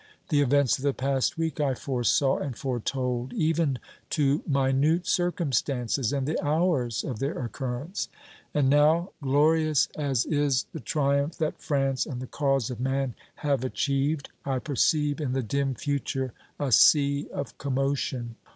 The events of the past week I foresaw and foretold, even to minute circumstances and the hours of their occurrence. And now glorious as is the triumph that France and the cause of man have achieved I perceive in the dim future a sea of commotion!